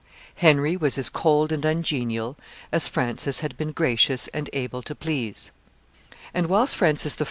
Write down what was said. Henry was as cold and ungenial as Francis had been gracious and able to please: and whilst Francis I.